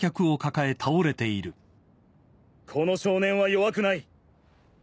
この少年は弱くない。